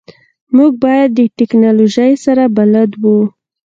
موږ باید د تکنالوژی سره بلد وو